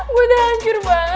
gue udah hancur banget